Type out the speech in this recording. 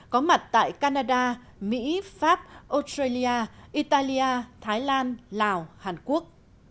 có mặt tại canada mỹ pháp australia italia thái lan lào hàn quốc